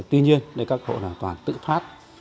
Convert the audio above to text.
tuy nhiên các hộ toàn tự phát